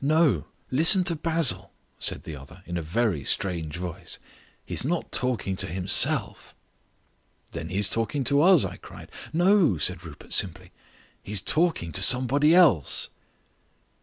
"No. Listen to Basil," said the other in a very strange voice. "He's not talking to himself." "Then he is talking to us," I cried. "No," said Rupert simply, "he's talking to somebody else."